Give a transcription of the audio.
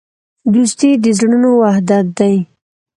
دوستي د زړونو وحدت دی.